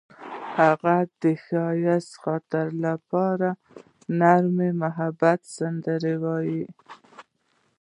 هغې د ښایسته خاطرو لپاره د نرم محبت سندره ویله.